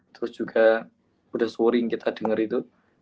terus juga udah suaring kita denger itu